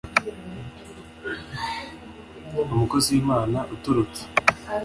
umukozi w’Imana uturutse